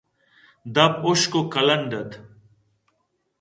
دپ حُشک ءُ کلنڈ اَت